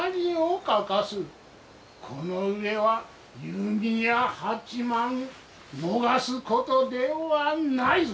この上は弓矢八幡逃すことではないぞ。